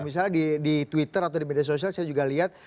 misalnya di twitter atau di media sosial saya juga lihat